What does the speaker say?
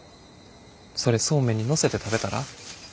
それそうめんに載せて食べたら？